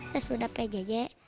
terus sudah pjj